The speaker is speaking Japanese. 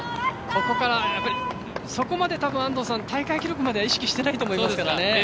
ここから、そこまで安藤さん大会記録までは意識してないと思いますからね。